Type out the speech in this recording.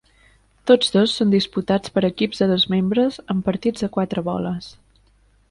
Tots dos són disputats per equips de dos membres en partits de quatre boles.